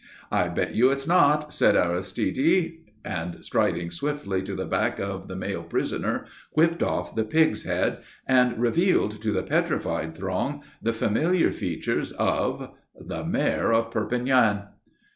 "I bet you it's not," said Aristide, and striding swiftly to the back of the male prisoner whipped off the pig's head, and revealed to the petrified throng the familiar features of the Mayor of Perpignan.